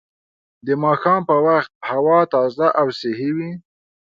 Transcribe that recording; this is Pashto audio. د ماښام په وخت هوا تازه او صحي وي